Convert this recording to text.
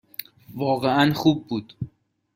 واقعاً خوب بود.